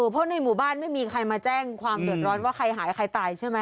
เพราะในหมู่บ้านไม่มีใครมาแจ้งความเดือดร้อนว่าใครหายใครตายใช่ไหม